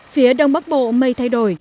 phía đông bắc bộ mây thay đổi